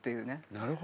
なるほど。